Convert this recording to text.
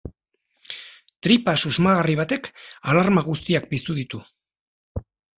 Tripa susmagarri batek alarma guztiak piztu ditu.